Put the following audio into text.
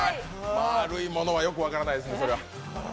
まあるいものは、よく分からないですね、そりゃ。